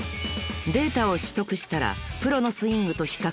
［データを取得したらプロのスイングと比較］